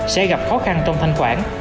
sẽ gặp khó khăn trong thanh khoản